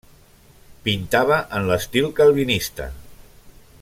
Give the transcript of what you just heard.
Pintava en l'estil calvinista.